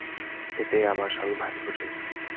এতেই আমার স্বামী ভারি খুশি।